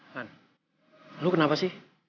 han lo kenapa sih